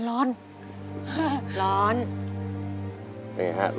ร้องออกไปเจ็บตรงไหนบ้างครับ